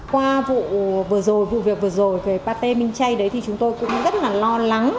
qua vụ vừa rồi vụ việc vừa rồi về pa t minh chay đấy thì chúng tôi cũng rất là lo lắng